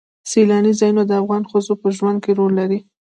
سیلاني ځایونه د افغان ښځو په ژوند کې رول لري.